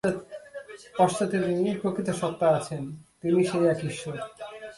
পশ্চাতে যিনি প্রকৃতসত্তা আছেন, তিনি সেই এক ঈশ্বর।